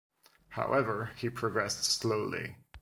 However, he progressed slowly.